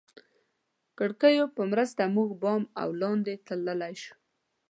کړکیو په مرسته موږ بام او لاندې تلای شوای.